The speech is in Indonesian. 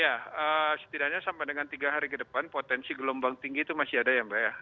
ya setidaknya sampai dengan tiga hari ke depan potensi gelombang tinggi itu masih ada ya mbak ya